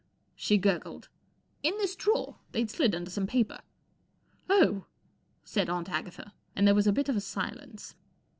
" she gur¬ gled. p In this drawer* They'd slid under some paper/' Oh !" said Aunt Agatha, and there was a bit of a silence.